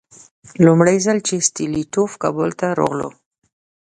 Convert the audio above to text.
لومړی ځل چې ستولیتوف کابل ته راغی.